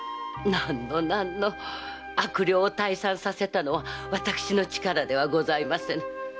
何の何の悪霊を退散させたのは私の力ではございませぬ。